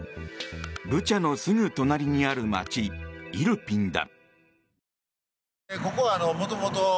ブチャのすぐ隣にある街イルピンだ。